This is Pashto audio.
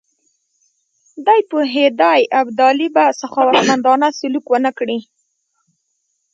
دی پوهېدی ابدالي به سخاوتمندانه سلوک ونه کړي.